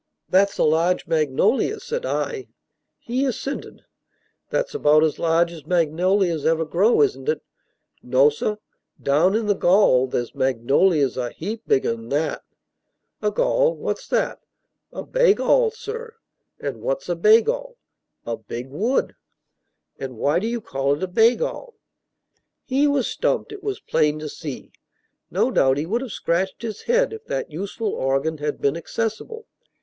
"That's a large magnolia," said I. He assented. "That's about as large as magnolias ever grow, isn't it?" "No, sir; down in the gall there's magnolias a heap bigger 'n that." "A gall? What's that?" "A baygall, sir." "And what's a baygall?" "A big wood." "And why do you call it a baygall?" He was stumped, it was plain to see. No doubt he would have scratched his head, if that useful organ had been accessible.